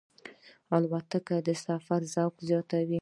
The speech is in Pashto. الوتکه د سفر ذوق زیاتوي.